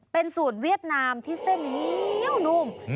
เป็นสูตรเวียดนามที่เส้นเหนียวนุ่ม